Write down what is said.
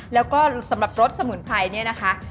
แล้วก็สำหรับรสสมุนไพรเนี่ยนะคะ